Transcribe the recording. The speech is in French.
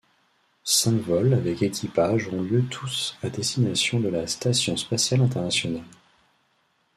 Cinq vols avec équipage ont lieu tous à destination de la Station spatiale internationale.